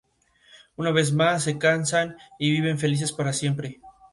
Una vez más, se casan y viven felices para siempre.